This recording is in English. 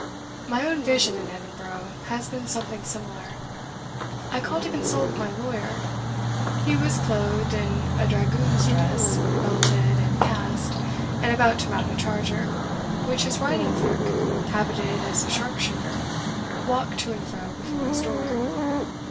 My own vision in Edinburgh has been something similar. I called to consult my lawyer; he was clothed in a dragoon's dress, belted and casqued, and about to mount a charger, which his writing clerk (habited as a sharp shooter) walked to and fro before his door.